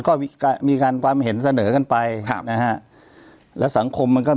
ก็มีการความเห็นเสนอกันไปครับนะฮะแล้วสังคมมันก็